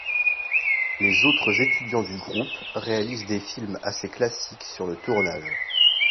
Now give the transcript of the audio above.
Les autres étudiants du groupe réalisent des films assez classiques sur le tournage.